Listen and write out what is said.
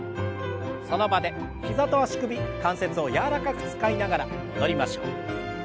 その場で膝と足首関節を柔らかく使いながら戻りましょう。